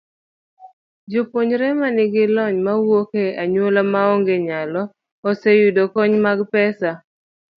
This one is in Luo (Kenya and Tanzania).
Jopuonjre ma nigi lony to wuok e anyuola maonge nyalo, oseyudo kony mag pesa.